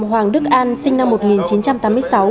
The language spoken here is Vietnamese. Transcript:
hoàng đức an sinh năm một nghìn chín trăm tám mươi sáu